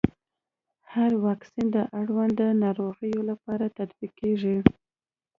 هر واکسین د اړوندو ناروغيو لپاره تطبیق کېږي.